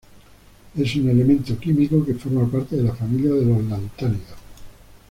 Es un elemento químico que forma parte de la familia de los lantánidos.